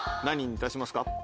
何にいたしますか？